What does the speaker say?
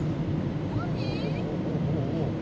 何？